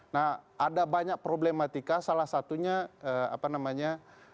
nah ada banyak problematika salah satunya apa namanya